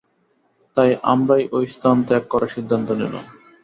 তাই আমরাই ওই স্থান ত্যাগ করার সিদ্ধান্ত নিলাম।